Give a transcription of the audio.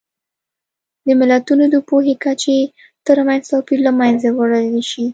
د ملتونو د پوهې کچې ترمنځ توپیر له منځه وړلی شي.